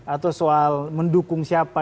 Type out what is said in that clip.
atau soal mendukung siapa